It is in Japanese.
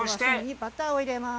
バターを入れます。